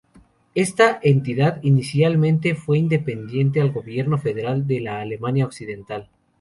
Esta entidad inicialmente fue independiente del gobierno federal de la Alemania occidental.